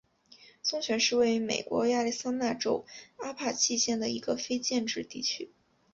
松泉是位于美国亚利桑那州阿帕契县的一个非建制地区。